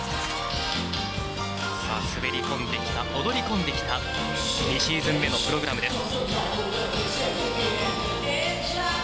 滑り込んできた踊りこんできた２シーズン目のプログラム。